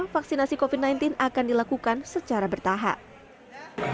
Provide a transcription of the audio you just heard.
vaksinasi covid sembilan belas akan dilakukan secara bertahap